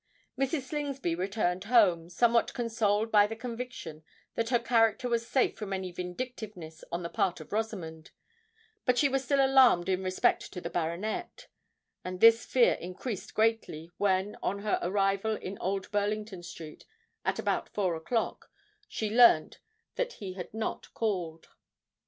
Mrs. Slingsby returned home, somewhat consoled by the conviction that her character was safe from any vindictiveness on the part of Rosamond: but she was still alarmed in respect to the baronet;—and this fear increased greatly, when, on her arrival in Old Burlington Street, at about four o'clock, she learnt that he had not called.